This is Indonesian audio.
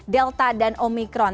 delta dan omikron